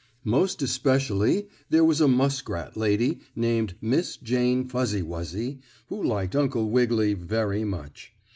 Most especially there was a muskrat lady, named Miss Jane Fuzzy Wuzzy, who liked Uncle Wiggily very much.